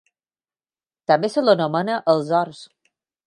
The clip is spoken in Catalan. També se l'anomena els Horts.